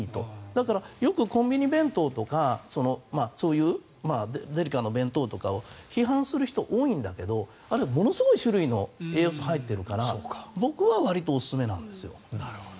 だからよくコンビニ弁当とかそういうデリカの弁当とかを批判する人は多いんだけどあれはものすごい種類の栄養素が入っているから僕はわりとおすすめなんですよ。